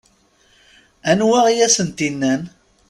Anwa i asent-innan?